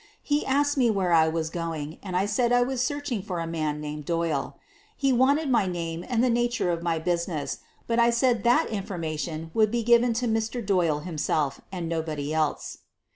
He asked me where I was going, and I said I was search* Ing for a man named Doyle. He wanted my name and the nature of my business, but I said that in formation would be given to Mr. Doyle himself, and nobody else.